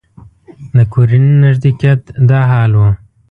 د کورني نږدېکت دا حال و.